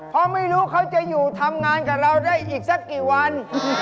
เพราะไม่รู้เขาจะอยู่ทำงานกับเราได้อีกสักกี่วัน